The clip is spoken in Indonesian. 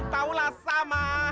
tau lah sama